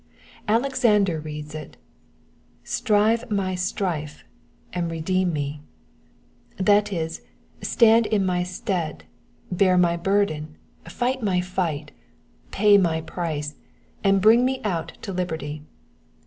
Alexander reads it, " Strive my strife, and redeem me" — that is, stand in my stead, bear my burden, fight my fight, pay my price, and bring me out to liberty.